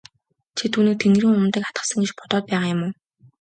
Чи түүнийг тэнгэрийн умдаг атгасан гэж бодоод байгаа юм уу?